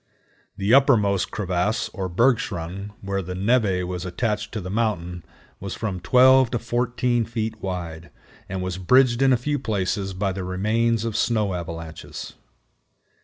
The uppermost crevasse, or "bergschrund," where the névé was attached to the mountain, was from 12 to 14 feet wide, and was bridged in a few places by the remains of snow avalanches.